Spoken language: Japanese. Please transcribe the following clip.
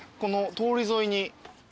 通り沿いに。